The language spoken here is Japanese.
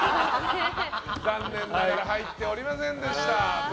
残念ながら入っておりませんでした。